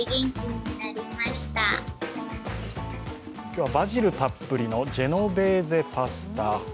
今日はバジルたっぷりのジェノベーゼパスタ。